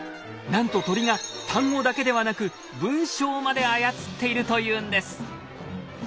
なんと鳥が単語だけではなく文章まで操っているというんです。